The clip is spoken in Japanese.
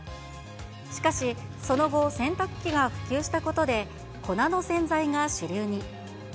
しかし、その後洗濯機が普及したことで、粉の洗剤が主流に。